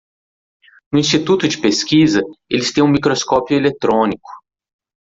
No instituto de pesquisa, eles têm um microscópio eletrônico.